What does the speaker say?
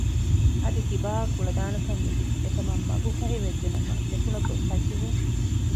އަދި ތިބާއަށް ކުޅަދާނަކަން ލިބި އެ ކަމަށް މަގު ފަހި ވެއްޖެ ނަމަ ގެފުޅަށް ގޮސް ޙައްޖުވުން